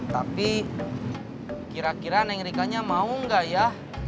tapi kira kira neng rika mau gak ya